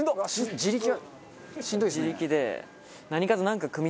自力で。